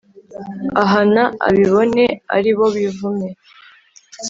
Ahana abibone aribo bivume